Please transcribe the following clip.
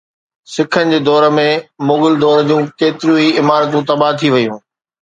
سکن جي دور ۾ مغل دور جون ڪيتريون ئي عمارتون تباهه ٿي ويون